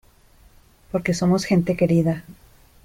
porque somos gente querida.